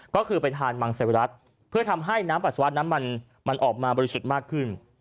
ก็คือไปทานมังเซวิรัติเพื่อทำให้น้ำปัสสาวะนั้นมันออกมาบริสุทธิ์มากขึ้น